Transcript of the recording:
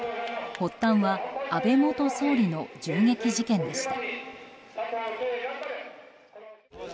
発端は安倍元総理の銃撃事件でした。